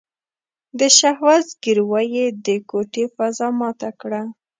د شهوت ځګيروی يې د کوټې فضا ماته کړه.